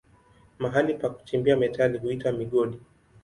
Mahali pa kuchimba metali huitwa migodi.